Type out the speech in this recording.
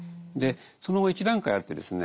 その後一段階あってですね